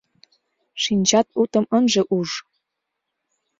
Шинчат утым ынже уж